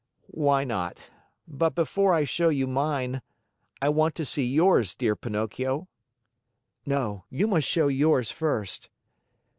"Why not? But before I show you mine, I want to see yours, dear Pinocchio." "No. You must show yours first."